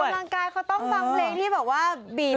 ออกกำลังกายเขาต้องฟังเพลงที่บอกว่า